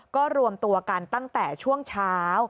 ก็รวมตัวกันตั้งแต่ช่วงเช้า